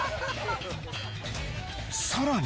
さらに。